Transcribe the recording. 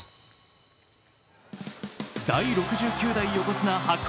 第６９代横綱・白鵬。